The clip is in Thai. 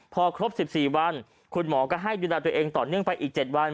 พอครบ๑๔วันคุณหมอก็ให้ดูแลตัวเองต่อเนื่องไปอีก๗วัน